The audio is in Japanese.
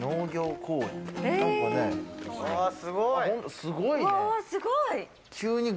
すごいね。